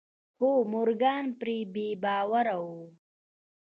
خو مورګان پرې بې باوره و.